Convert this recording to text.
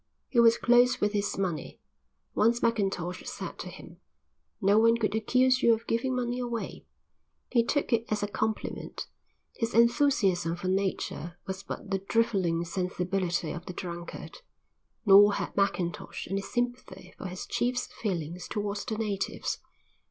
He was close with his money. Once Mackintosh said to him: "No one could accuse you of giving money away." He took it as a compliment. His enthusiasm for nature was but the drivelling sensibility of the drunkard. Nor had Mackintosh any sympathy for his chief's feelings towards the natives.